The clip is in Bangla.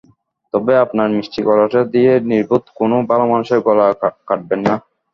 তবে আপনার মিষ্টি গলাটা দিয়ে নির্বোধ কোনো ভালো মানুষের গলা কাটবেন না।